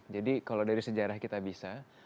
jadi kalau dari sejarah kitabisa